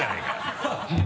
ハハハ